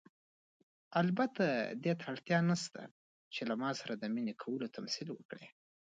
البته دې ته اړتیا نشته چې له ما سره د مینې کولو تمثیل وکړئ.